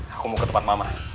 aku mau ke tempat mama